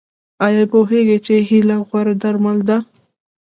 ایا پوهیږئ چې هیله غوره درمل ده؟